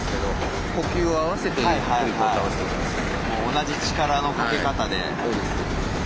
同じ力のかけ方で。